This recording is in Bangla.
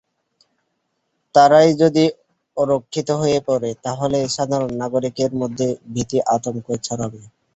তারাই যদি অরক্ষিত হয়ে পড়ে, তাহলে সাধারণ নাগরিকের মধ্যে ভীতি-আতঙ্ক ছড়াবে।